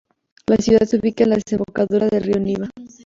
La ciudad se ubica en la desembocadura del río Niva.